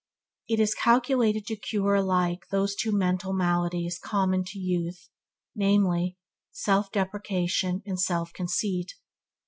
It is calculated to cure alike those two mental maladies common to youth, namely, self depreciation and self conceit.